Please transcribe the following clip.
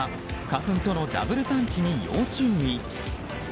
花粉とのダブルパンチに要注意。